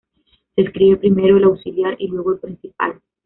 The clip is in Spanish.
Se escribe primero el auxiliar y luego el principal.